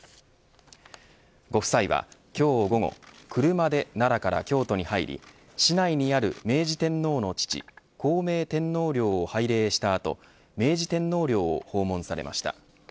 ご夫妻は今日午後車で奈良から京都に入り市内にある明治天皇の父孝明天皇陵を拝礼した後明治天皇陵を訪問されました。